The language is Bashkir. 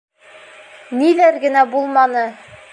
Ниҙәр генә булманы!